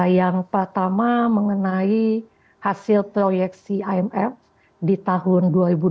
yang pertama mengenai hasil proyeksi imf di tahun dua ribu dua puluh